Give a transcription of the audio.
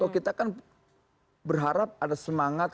kita kan berharap ada semangat